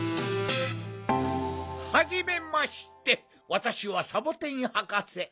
はじめましてわたしはサボテンはかせ。